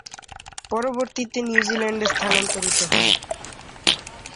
পরবর্তীতে নিউজিল্যান্ডে স্থানান্তরিত হন।